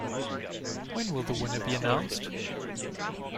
When will the winner be announced?